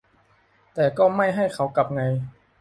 แต่ก็ไม่ให้เขากลับไง